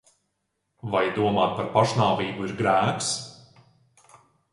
Vai domāt par pašnāvību ir grēks?